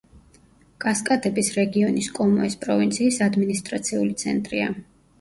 კასკადების რეგიონის კომოეს პროვინციის ადმინისტრაციული ცენტრია.